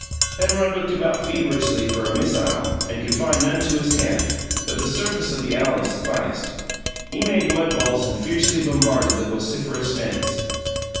Penrod looked about feverishly for a missile, and could find none to his hand, but the surface of the alley sufficed; he made mud balls and fiercely bombarded the vociferous fence.